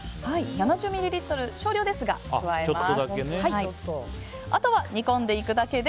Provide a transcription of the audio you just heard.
７０ミリリットル少量ですが加えます。